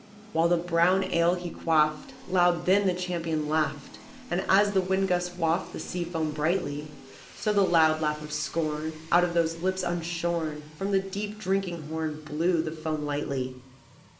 "While the brown ale he quaffed, Loud then the champion laughed, And as the wind gusts waft The sea foam brightly, So the loud laugh of scorn, Out of those lips unshorn, From the deep drinking horn Blew the foam lightly.